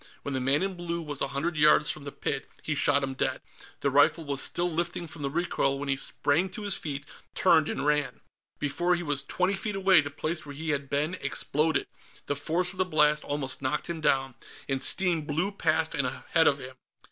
When the man in blue was a hundred yards from the pit, he shot him dead. The rifle was still lifting from the recoil when he sprang to his feet, turned, and ran. Before he was twenty feet away, the place where he had been exploded; the force of the blast almost knocked him down, and steam blew past and ahead of him.